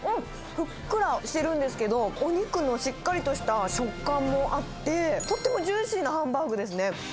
ふっくらしてるんですけど、お肉のしっかりとした食感もあって、とってもジューシーなハンバーグですね。